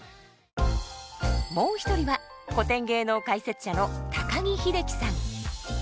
もう一人は古典芸能解説者の高木秀樹さん。